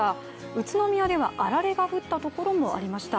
宇都宮では、あられが降ったところもありました。